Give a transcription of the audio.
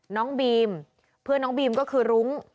น้องบีมเพื่อนน้องบีมก็คือรุ้ง